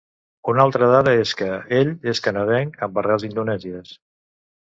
Una altra dada és que ell és canadenc amb arrels indonèsies.